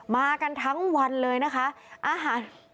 มากันทั้งวันเลยนะคะอาหาร